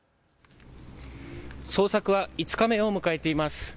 捜索は５日目を迎えています。